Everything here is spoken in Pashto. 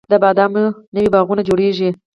د بادامو نوي باغونه جوړیږي